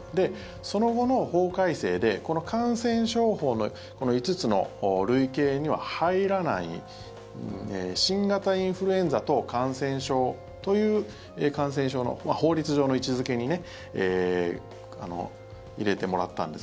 その後の法改正でこの感染症法の５つの類型には入らない新型インフルエンザ等感染症という感染症の法律上の位置付けに入れてもらったんです。